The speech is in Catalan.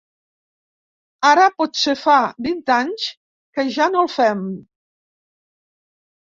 Ara potser fa vint anys que ja no el fem.